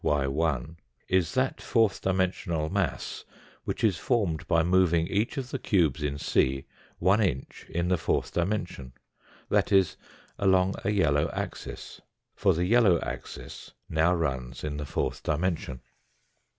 yi is that four dimensional mass which is formed by moving each of the cubes in C one inch in the fourth dimension that is, along a yellow axis ; for the yellow axis now runs in the fourth dimension.